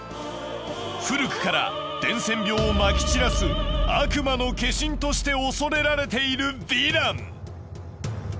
古くから伝染病をまき散らす悪魔の化身として恐れられているヴィラン。